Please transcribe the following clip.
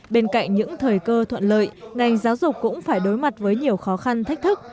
bên cạnh những thời cơ thuận lợi ngành giáo dục cũng phải đối mặt với nhiều khó khăn thách thức